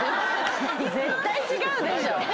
絶対違うでしょ。